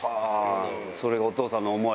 それがお父さんの想い？